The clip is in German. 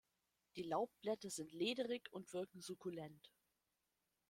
Die Laubblätter sind lederig und wirken sukkulent.